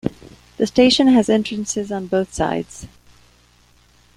The station has entrances on both sides.